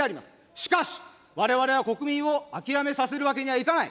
しかしわれわれは国民を諦めさせるわけにはいかない。